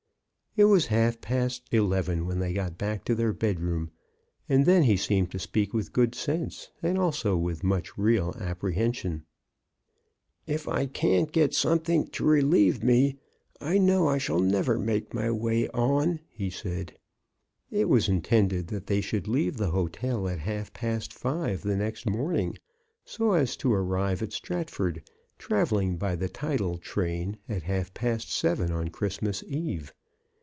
It was half past eleven when they got back to their bedroom, and then he seemed to speak with good sense, and also with much real apprehension. If I can't get something to relieve me, I know I shall never make my way on," he said. It was intended CHRISTMAS AT THOMPSON HALL. that they should leave the hotel at half past five the next morning, so as to arrive at Strat ford, travelling by the tidal train, at half past seven on Christmas eve.